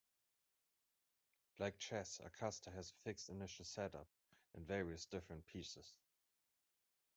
Like Chess, Accasta has a fixed initial setup and various different pieces.